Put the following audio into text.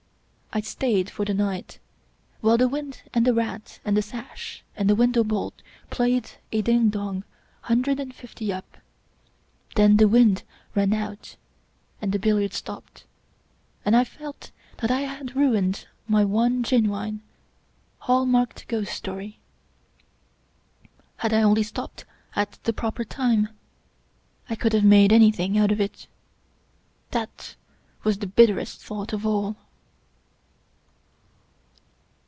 I stayed for the night, while the wind and the rat and the sash and the window bolt played a ding dong " hundred and fifty up." Then the wind ran out and the billiards stopped, and I felt that I had ruined my one genuine, hall marked ghost story. ' Had I only stopped at the proper time, I could have made anything out of it. That was the bitterest thought of all